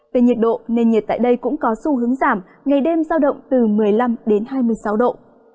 về nhiệt độ nền nhiệt tại đây cũng có xu hướng giảm ngày đêm giao động từ một mươi năm hai mươi sáu độ